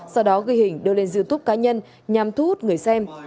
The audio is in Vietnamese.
sau đó ghi hình đưa lên youtube cá nhân nhằm thu hút người xem